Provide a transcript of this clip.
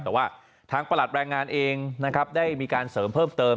แต่ว่าทางประหลัดแรงงานเองนะครับได้มีการเสริมเพิ่มเติม